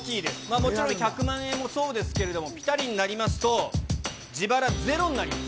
もちろん、１００万円もそうですけれども、ピタリになりますと、自腹ゼロになります。